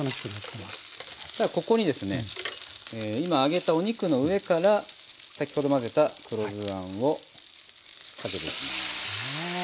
ここにですね今揚げたお肉の上から先ほど混ぜた黒酢あんをかけていきます。